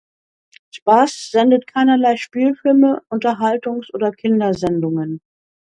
Spas sendet keinerlei Spielfilme, Unterhaltungs- oder Kindersendungen.